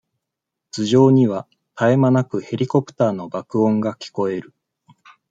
頭上には、たえまなくヘリコプターの爆音が聞こえる。